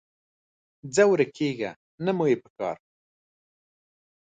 ځه ورکېږه، نه مو یې پکار